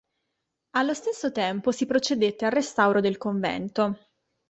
Allo stesso tempo si procedette al restauro del convento.